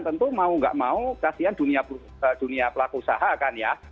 tentu mau nggak mau kasihan dunia pelaku usaha kan ya